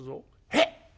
「えっ！